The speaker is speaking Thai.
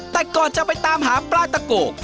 แต่ก่อนจะไปตามหาปลาตะโก